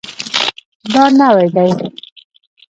دا نوی دی